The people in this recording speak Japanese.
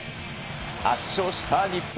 圧勝した日本。